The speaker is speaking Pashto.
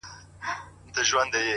• او ښه په ډاگه درته وايمه چي؛